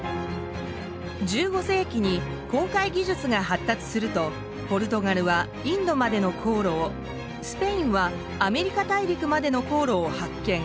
１５世紀に航海技術が発達するとポルトガルはインドまでの航路をスペインはアメリカ大陸までの航路を発見。